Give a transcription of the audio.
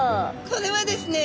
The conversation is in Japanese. これはですね